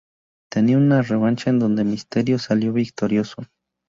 Tenían una revancha en donde Mysterio salió victorioso.